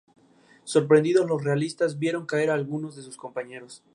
Sorprendidos los realistas vieron caer a algunos de sus compañeros.